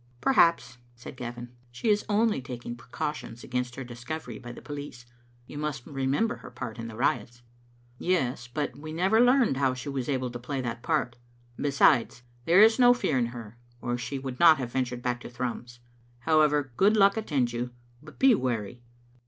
"Perhaps," said Gavin, "she is only taking precau tions against her discovery by the police. You must remember her part in the riots. "" Yes, but we never learned how she was able to play that part. Besides, there is no fear in her, or she would not have ventured back to Thrums. However, good luck attend you. But be wary.